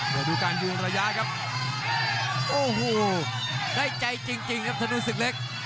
เดี๋ยวดูการยืนระยะครับโอ้โหได้ใจจริงครับธนูศึกเล็ก